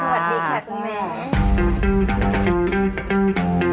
สวัสดีค่ะคุณแม่